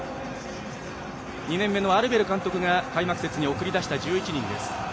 ２年目のアルベル監督が開幕節から送り出した１１人です。